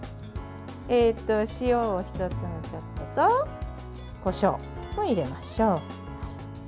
塩を一つまみちょっととこしょうを入れましょう。